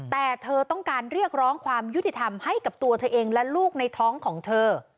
แต่เธอต้องการเรียกร้องความยุติธรรมให้กับตัวเธอเองและลูกในท้องของเธอ